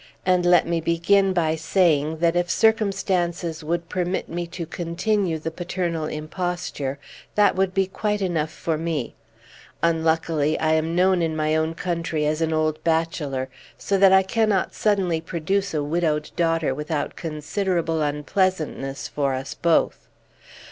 And let me begin by saying, that if circumstances would permit me to continue the paternal imposture, that would be quite enough for me; unluckily, I am known in my own country as an old bachelor; so that I cannot suddenly produce a widowed daughter, without considerable unpleasantness for us both.